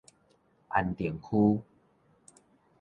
安定區